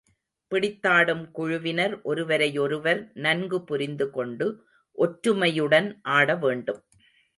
பிடித்தாடும் குழுவினர் ஒருவரையொருவர் நன்கு புரிந்து கொண்டு, ஒற்றுமையுடன் ஆட வேண்டும்.